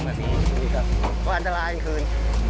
วันตลายกลางคืน